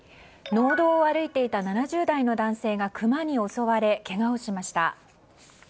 農道を歩いていた７０代の男性がクマに襲われ、けがをしました。